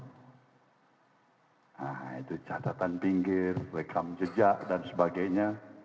nah itu catatan pinggir rekam jejak dan sebagainya